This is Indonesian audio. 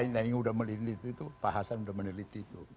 yang udah meneliti itu pak hasan udah meneliti itu